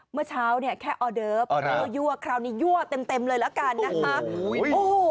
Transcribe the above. เมื่อเช้าเนี่ยแค่ออเดิฟยั่วคราวนี้ยั่วเต็มเลยละกันนะคะ